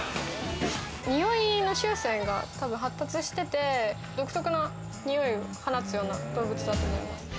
臭いの臭腺がたぶん発達してて、独特な臭いを放つような動物だと思います。